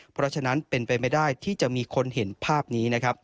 เพราะฉะนั้นเป็นไปไม่ได้ที่จะมีคนเห็นภาพนี้นะครับ